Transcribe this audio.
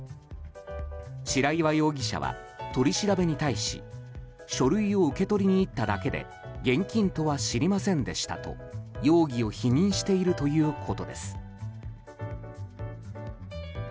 白岩容疑者は取り調べに対し書類を受け取りに行っただけで現金とは知りませんでしたと容疑を否認しているということです。